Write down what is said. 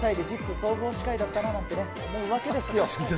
総合司会だったななんて思うわけですよ。